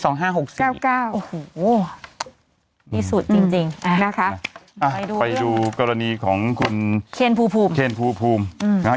๙๙โอ้โหดีสุดจริงจริงนะครับไปดูกรณีของคุณเคนภูมินะครับ